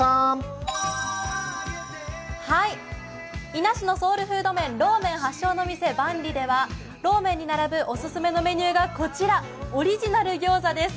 伊那市のソウルフード麺、ローメン発祥の店ではローメンに並ぶオススメのメニューがこちら、オリジナル餃子です。